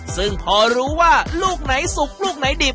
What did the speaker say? ซึ่งพอรู้ว่าลูกไหนสุกลูกไหนดิบ